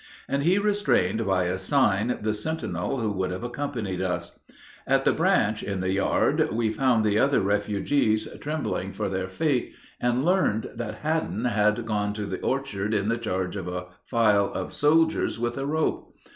And he restrained by a sign the sentinel who would have accompanied us. At the branch, in the yard, we found the other refugees trembling for their fate, and learned that Headen had gone to the orchard in the charge of a file of soldiers with a rope.